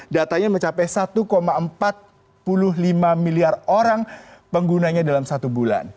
datanya mencapai satu empat puluh lima miliar orang penggunanya dalam satu bulan